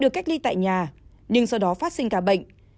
được cách ly tại nhà nhưng do đó phát sinh cả bệnh